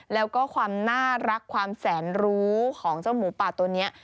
แล้วก็ความน่ารักความแสนรู้ของเจ้าหมูป่าตัวนี้